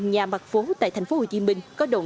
nhà mặt phố tại tp hcm